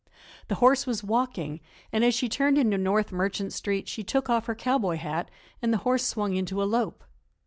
The horse was walking and, as she turned into North Merchant Street she took off her cowboy hat, and the horse swung into a lope.